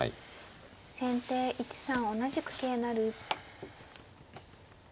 先手１三同じく桂成。